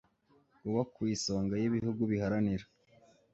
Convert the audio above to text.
kuba ku isonga y'ibihugu biharanira